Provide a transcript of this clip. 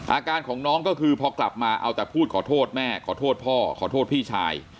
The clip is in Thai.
อาการของน้องก็คือพอกลับมาเอาแต่พูดขอโทษแม่ขอโทษพ่อขอโทษพี่ชาย